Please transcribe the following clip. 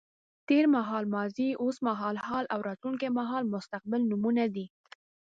تېر مهال ماضي، اوس مهال حال او راتلونکی مهال مستقبل نومونه دي.